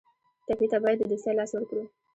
ټپي ته باید د دوستۍ لاس ورکړو.